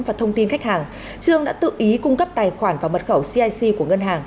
và thông tin khách hàng trương đã tự ý cung cấp tài khoản và mật khẩu cic của ngân hàng